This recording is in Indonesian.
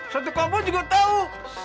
satu kamu juga tau